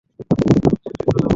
আমি চাকরির কথা বলছি না।